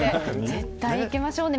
絶対に行きましょうね